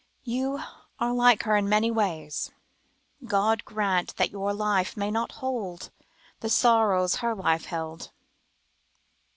You are like her in many ways. God grant that your life may not hold the sorrows her life held."